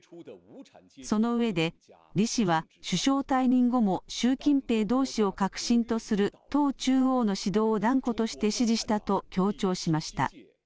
その上で、李氏は首相退任後も習近平同志を核心とする党中央の指導を断固として支持したと強調しました。